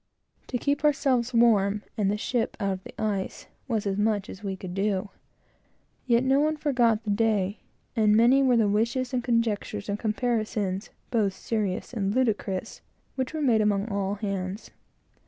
To keep ourselves warm, and the ship out of the ice, was as much as we could do. Yet no one forgot the day; and many were the wishes, and conjectures, and comparisons, both serious and ludicrous, which were made among all hands.